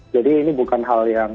jadi ini bukan hal yang